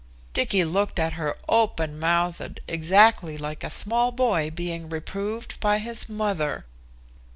Dicky looked at her open mouthed, exactly like a small boy being reproved by his mother.